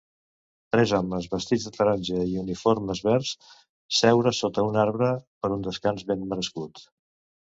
Tres homes vestits de taronja i uniformes verds seure sota un arbre per un descans ben merescut